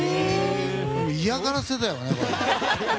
嫌がらせだよね。